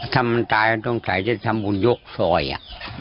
ถ้ามันตายอ่ะต้องถ่ายเจ้าชามวุญหยกซอยอ่ะ